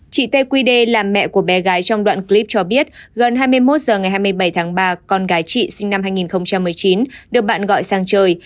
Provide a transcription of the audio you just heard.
chị tqd là mẹ của bé gái trong đoạn clip cho biết gần hai mươi một h ngày hai mươi bảy tháng ba con gái chị sinh năm hai nghìn một mươi chín được bạn gọi sang trời